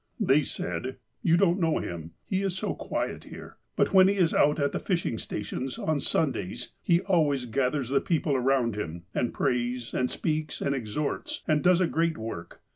They said: "You don't know him. He is so quiet here. But when he is out at the fishing stations, on Sun days, he always gathers the people around him, and prays, speaks and exhorts, and does a great work.